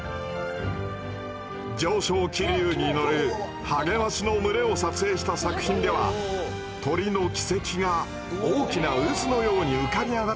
上昇気流に乗るハゲワシの群れを撮影した作品では鳥の軌跡が大きな渦のように浮かび上がっています。